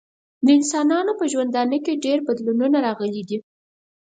د انسانانو په ژوندانه کې ډیر بدلونونه راغلي دي.